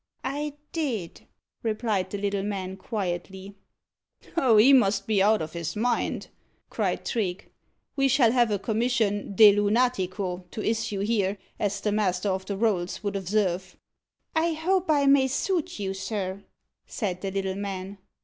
"I did," replied the little man quietly. "Oh, he must be out of his mind," cried Trigge. "We shall have a commission de lunatico to issue here, as the Master of the Rolls would observe." "I hope I may suit you, sir," said the little man.